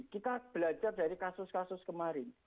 kita belajar dari kasus kasus kemarin